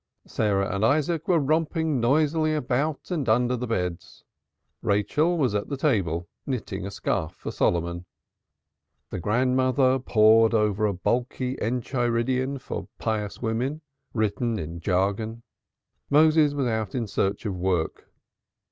Sarah and Isaac were romping noisily about and under the beds; Rachel was at the table, knitting a scarf for Solomon; the grandmother pored over a bulky enchiridion for pious women, written in jargon. Moses was out in search of work.